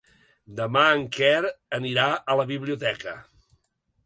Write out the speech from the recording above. Demà en Quer anirà a la biblioteca.